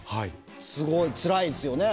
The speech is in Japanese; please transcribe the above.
すごいつらいですよね。